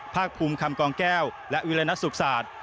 ภาคภูมิคำกองแก้วและวิรณสุขศาสตร์